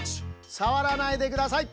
さわらないでください！